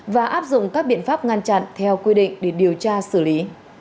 và áp dụng các biện pháp ngăn chặn theo quy định để điều tra xử lý